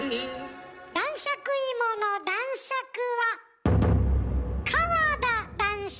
男爵いもの男爵は川田男爵。